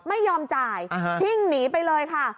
ไม่ยอมจ่ายชิ่งหนีไปเลยค่ะ